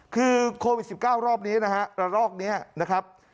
คือโควิด๑๙รอบนี้นะฮะหลังเรื่องโรคนี้นะครับ